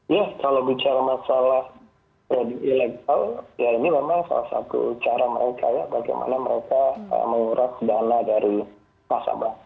ya kalau bicara masalah trading ilegal ya ini memang salah satu cara mereka ya bagaimana mereka menguras dana dari nasabah